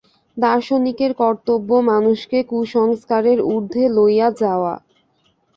দার্শনিকের কর্তব্য মানুষকে কুসংস্কারের ঊর্ধ্বে লইয়া যাওয়া।